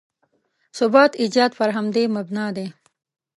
ثبات ایجاد پر همدې مبنا دی.